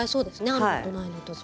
あるのとないのとじゃ。